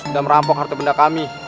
dan merampok harta benda kami